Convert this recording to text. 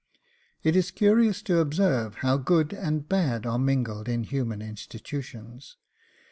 It is curious to observe how good and bad are mingled in human institutions.